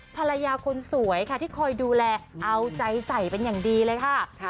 ภรรยาคนสวยค่ะที่คอยดูแลเอาใจใส่เป็นอย่างดีเลยค่ะ